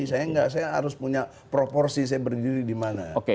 saya harus punya proporsi saya berdiri dimana